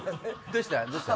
どうした？